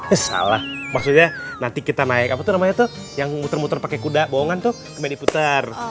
eh salah maksudnya nanti kita naik apa tuh namanya tuh yang muter muter pakai kuda bohongan tuh kembali diputar